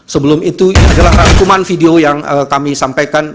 sebelum itu adalah rangkuman video yang kami sampaikan